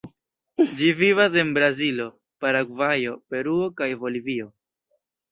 Ĝi vivas en Brazilo, Paragvajo, Peruo kaj en Bolivio.